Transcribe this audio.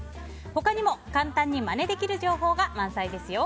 他にも簡単にまねできる情報が満載ですよ。